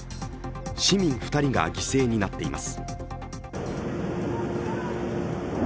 市民２人が犠牲になっています。